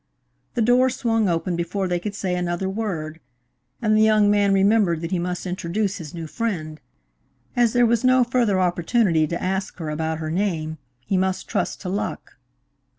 The door swung open before they could say another word, and the young man remembered that he must introduce his new friend. As there was no further opportunity to ask her about her name, he must trust to luck.